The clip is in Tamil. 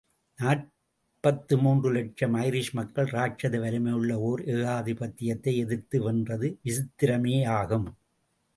நாற்பத்து மூன்று லட்சம் ஐரிஷ் மக்கள் ராட்சத வலிமையுள்ள ஓர் ஏகாதிபத்தியத்தை எதிர்த்து வென்றது விசித்திரமேயாகும்!